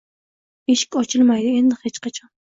Eshik ochilmaydi endi hech qachon.